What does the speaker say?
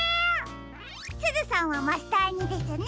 すずさんはマスターにですね。